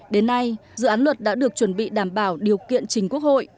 đến nay dự án luật đã được chuẩn bị đảm bảo điều kiện chính quốc hội